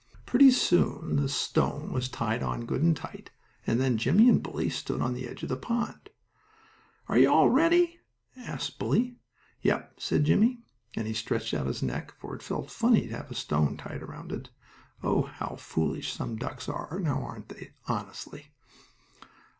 Pretty soon the stone was tied on good and tight, and then Jimmie and Bully stood on the edge of the pond. "Are you all ready?" asked Bully. "Yep," replied Jimmie, and he stretched out his neck, for it felt funny to have a stone tied around it. Oh, how foolish some ducks are; now, aren't they, honestly?